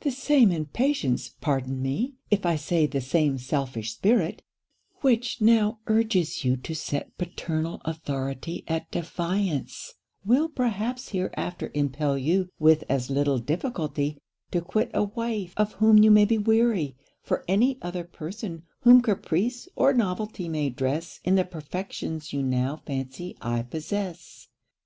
The same impatient, pardon me, if I say the same selfish spirit, which now urges you to set paternal authority at defiance, will perhaps hereafter impel you, with as little difficulty, to quit a wife of whom you may be weary, for any other person whom caprice or novelty may dress in the perfections you now fancy I possess.